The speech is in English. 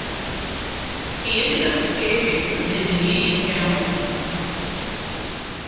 He ended up escaping with his immediate family.